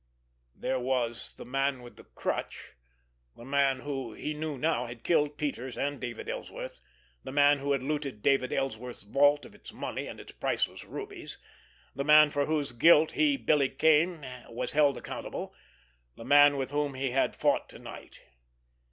There was the Man with the Crutch, the man who, he knew now, had killed Peters and David Ellsworth, the man who had looted David Ellsworth's vault of its money and its priceless rubies, the man for whose guilt he, Billy Kane, was held accountable, the man with whom he had fought to night.